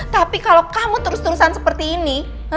tapi kalau kamu terus terusan seperti ini